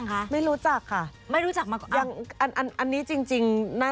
ถ้าสมมุติว่ามีการล้มกลุ่มแจ้งความ